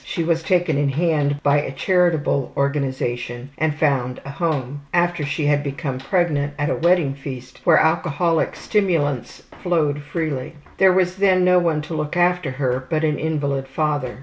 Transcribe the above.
She was taken in hand by a charitable organization and found a home, after she had become pregnant at a wedding feast where alcoholic stimulants flowed freely. There was then no one to look after her but an invalid father.